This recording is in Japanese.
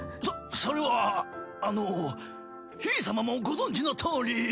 そそれはあのひい様もご存じのとおり。